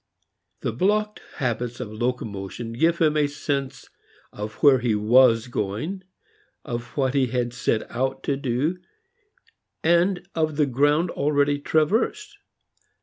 The blocked habits of locomotion give him a sense of where he was going, of what he had set out to do, and of the ground already traversed.